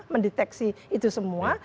mendeteksi itu semua